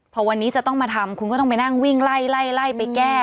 พอวันนี้จะต้องมาทำคุณก็ต้องไปนั่งวิ่งไล่ไล่ไปแก้